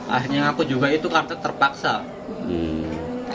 akhirnya ngaku juga itu karena terpaksa